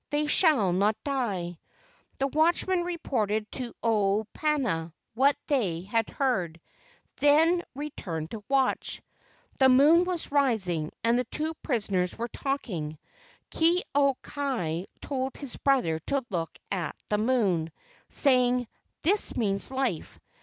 They shall not die." The watchmen reported to Olopana what they had heard, then returned to watch. The moon was rising and the two prisoners were talking. Ke au kai told his brother to look at the moon, saying: "This means life.